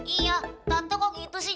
iya tante kok gitu sih